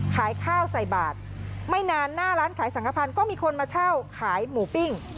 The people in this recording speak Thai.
ขายข้าวใส่บาทไม่นานหน้าร้านขายสังขพันธ์ก็มีคนมาเช่าขายหมูปิ้ง